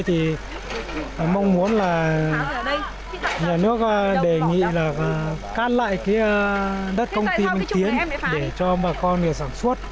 thì mong muốn là nhà nước đề nghị là can lại đất công ty bình tiến để cho bà con sản xuất